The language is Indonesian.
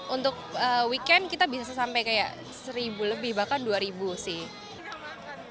untuk weekend kita bisa sampai kayak seribu lebih bahkan dua ribu sih